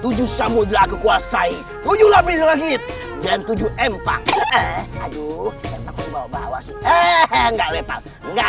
tujuh samudera kekuasai tujuh lebih terakhir dan tujuh empang aduh bawa bawa sih enggak lepak enggak